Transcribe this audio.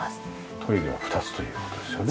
トイレが２つという事ですよね？